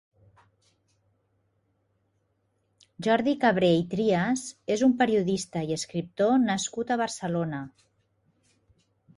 Jordi Cabré i Trias és un periodista i escriptor nascut a Barcelona.